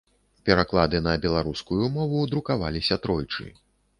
Пераклады на беларускую мову друкаваліся тройчы.